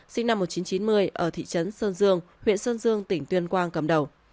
sinh năm một nghìn chín trăm chín mươi ở thị trấn sơn dương huyện sơn dương tỉnh tuyên quang cầm đầu